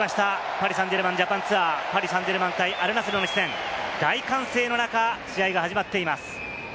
パリ・サンジェルマンジャパンツアー、パリ・サンジェルマン対アルナスルの一戦、大歓声の中、試合が始まっています。